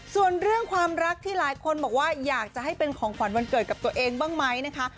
ส่วนเรื่องความรักที่หลายคนบอกว่าอยากจะให้เป็นของขวัญวันเกิดกับตัวเองบ้างไหมนะคะ